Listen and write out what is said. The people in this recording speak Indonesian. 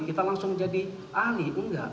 kita langsung jadi ahli enggak